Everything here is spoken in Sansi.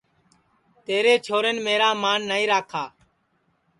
تیرے چھورین میرا مان نائی راکھا